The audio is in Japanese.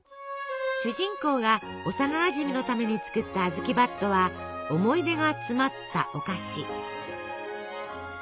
主人公が幼なじみのために作った「あずきばっと」は思い出が詰まったお菓子。